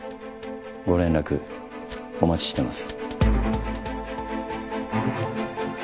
ご連絡お待ちしてます。